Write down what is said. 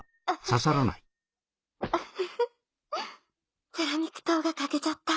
ウフフセラミック刀が欠けちゃった。